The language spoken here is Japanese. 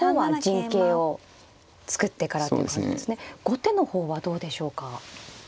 後手の方はどうでしょうか。